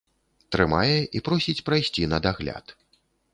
Трымае і просіць прайсці на дагляд.